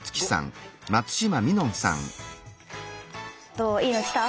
どういいの来た？